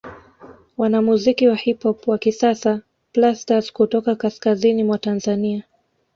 Wanamuziki wa Hip Hop wa kisasa Plastaz kutoka kaskazini mwa Tanzania